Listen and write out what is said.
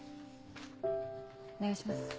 お願いします。